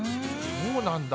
そうなんだ。